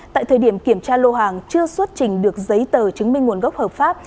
tại thời điểm kiểm tra lô hàng chưa xuất trình được giấy tờ chứng minh nguồn gốc hợp pháp